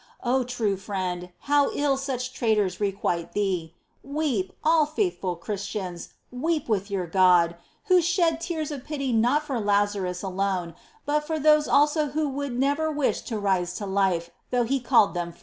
3. O true Friend, how ill such traitors requite Thee ! Weep, all faithful Christians, weep with your God, Who shed tears of pity not for Lazarus alone, ^ but for those also who would never wish to rise to life, though He called them forth.